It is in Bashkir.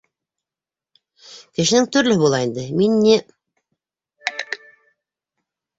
Кешенең төрлөһө була инде, мин ни...